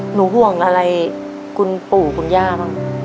ห่วงอะไรคุณปู่คุณย่าบ้าง